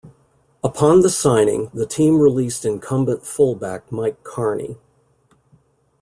Upon the signing, the team released incumbent fullback Mike Karney.